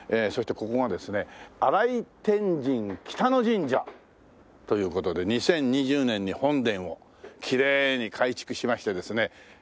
そしてここがですね新井天神北野神社という事で２０２０年に本殿をきれいに改築しましてですね。